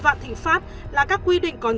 vạn thịnh pháp là các quy định còn